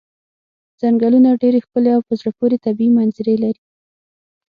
څنګلونه ډېرې ښکلې او په زړه پورې طبیعي منظرې لري.